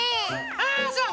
あそう？